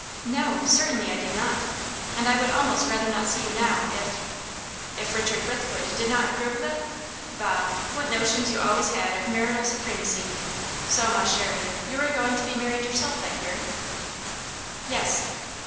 "No, certainly I did not. And I would almost rather not see you now, if " "If Richard Brithwood did not approve of it? Bah! what notions you always had of marital supremacy. So, ma chere, you are going to be married yourself, I hear?" "Yes."